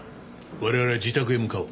我々は自宅へ向かおう。